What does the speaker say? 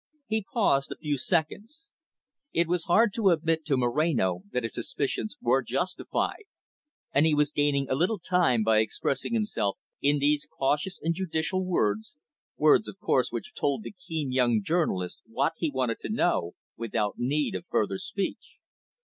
He paused a few seconds. It was hard to admit to Moreno that his suspicions were justified. And he was gaining a little time by expressing himself in these cautious and judicial words, words of course which told the keen young journalist what he wanted to know, without need of further speech.